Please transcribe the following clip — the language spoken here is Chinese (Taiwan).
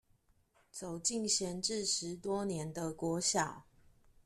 走進閒置十多年的國小